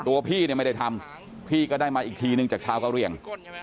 พี่เนี่ยไม่ได้ทำพี่ก็ได้มาอีกทีนึงจากชาวกะเหลี่ยง